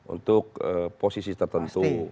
untuk posisi tertentu